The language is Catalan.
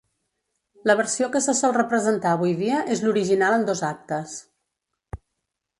La versió que se sol representar avui dia és l'original en dos actes.